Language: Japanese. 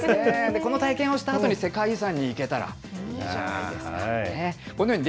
この体験をしたあとに世界遺産に行けたらいいですよね。